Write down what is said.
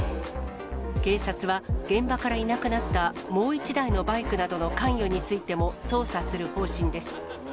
警察は、現場からいなくなったもう１台のバイクの関与などについても捜査する方針です。